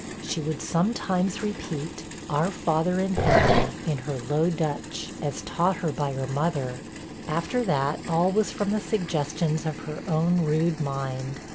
She would sometimes repeat, 'Our Father in heaven,' in her Low Dutch, as taught her by her mother; after that, all was from the suggestions of her own rude mind.